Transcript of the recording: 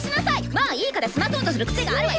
「まあいいか」で済まそうとする癖があるわよ！